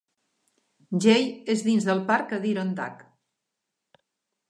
Jay és dins del parc Adirondack.